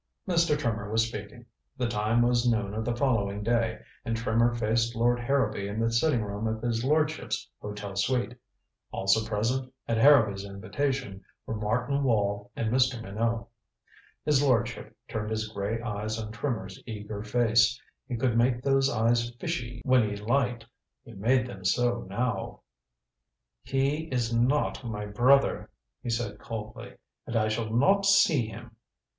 Mr. Trimmer was speaking. The time was noon of the following day, and Trimmer faced Lord Harrowby in the sitting room of his lordship's hotel suite. Also present at Harrowby's invitation were Martin Wall and Mr. Minot. His lordship turned his gray eyes on Trimmer's eager face. He could make those eyes fishy when he liked he made them so now. "He is not my brother," he said coldly, "and I shall not see him.